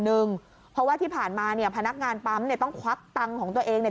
เพราะว่าที่ผ่านมาเนี่ยพนักงานปั๊มเนี่ยต้องควักตังค์ของตัวเองเนี่ย